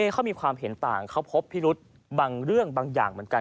เขามีความเห็นต่างเขาพบพิรุษบางเรื่องบางอย่างเหมือนกัน